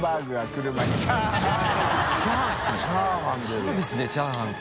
サービスでチャーハンか。